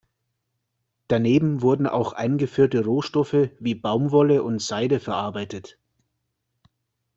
Daneben wurden auch eingeführte Rohstoffe wie Baumwolle und Seide verarbeitet.